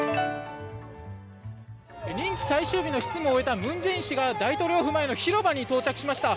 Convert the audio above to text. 任期最終日の執務を終えた文在寅氏が大統領府前の広場に到着しました。